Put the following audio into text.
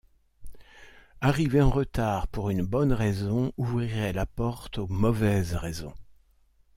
Arriver en retard pour une bonne raison ouvrirait la porte aux mauvaises raisons.